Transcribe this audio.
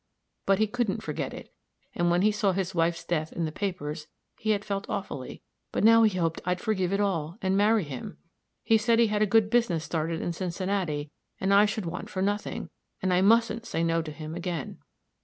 But he couldn't forget it; and when he saw his wife's death in the papers, he had felt awfully; but now he hoped I'd forgive it all, and marry him. He said he had a good business started in Cincinnati, and I should want for nothing, and I mustn't say no to him again.